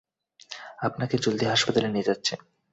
আপনাকে জলদি হাসপাতালে নিয়ে যাচ্ছি।